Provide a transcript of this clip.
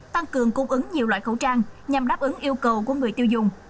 tăng cường cung ứng nhiều loại khẩu trang nhằm đáp ứng yêu cầu của người tiêu dùng